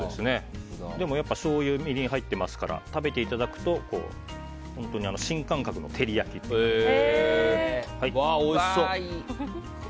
でもしょうゆ、みりん入ってますから食べていただくと新感覚の照り焼きという感じで。